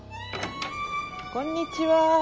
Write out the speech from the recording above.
こんにちは。